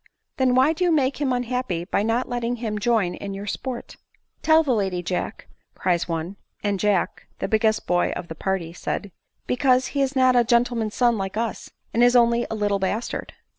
" Then why do you make him unhappy, by not letting him join in your sport ?" "Tell the lady, Jack," cries one ; and Jack, the big gest boy of the party, said ;" Because he is not a gentle man's son like us, and is only a little bastard."